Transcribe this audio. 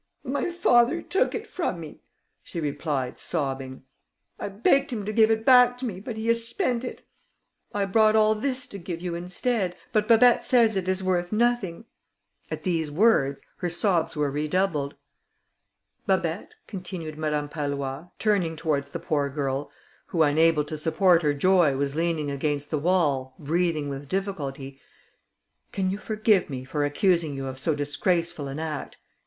"My father took it from me," she replied, sobbing. "I begged him to give it back to me, but he has spent it. I brought all this to give you instead, but Babet says it is worth nothing." At these words her sobs were redoubled. "Babet," continued Madame Pallois, turning towards the poor girl, who, unable to support her joy, was leaning against the wall, breathing with difficulty: "can you forgive me, for accusing you of so disgraceful an act?